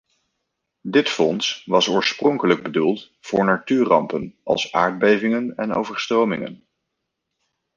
Dit fonds was oorspronkelijk bedoeld voor natuurrampen als aardbevingen en overstromingen.